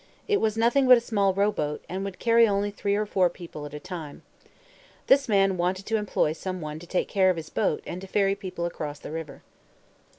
It was nothing but a small rowboat, and would carry only three or four people at a time. This man wanted to employ some one to take care of his boat and to ferry people across the river.